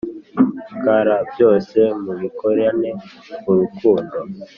Kr byose mubikorane urukundo